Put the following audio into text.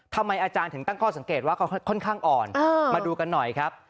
ทำไมอาจารย์ถึงตั้งข้อสังเกตว่าเขาค่อนข้างอ่อนมาดูกันหน่อยครับ